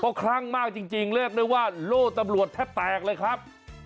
เพราะคลั่งมากจริงเรียกได้ว่าโล่ตำรวจแทบแตกเลยครับ